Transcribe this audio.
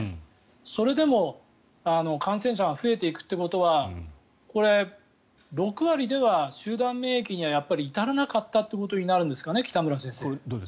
それでも感染者が増えていくということはこれ、６割では集団免疫には至らなかったということになるんですかね、北村先生。